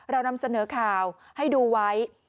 เรานำเสนอข่าวให้ดูไว้